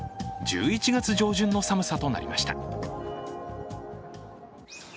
１１月上旬の寒さとなりました。